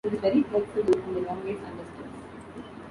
It is very flexible and elongates under stress.